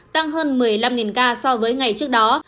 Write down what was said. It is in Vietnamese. tăng hơn một mươi năm ca so với ngày trước đó